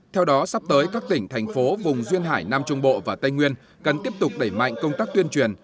theo đó sắp tới các tỉnh thành phố vùng duyên hải nam trung bộ và tây nguyên cần tiếp tục đẩy mạnh công tác tuyên truyền